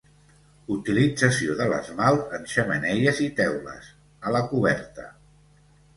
Utilització de l'esmalt en xemeneies i teules, a la coberta.